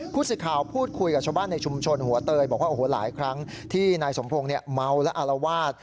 สิทธิ์ข่าวพูดคุยกับชาวบ้านในชุมชนหัวเตยบอกว่าโอ้โหหลายครั้งที่นายสมพงศ์เมาและอารวาส